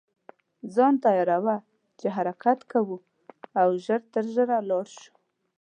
ځان تیاروه چې حرکت کوو او ژر تر ژره لاړ شو.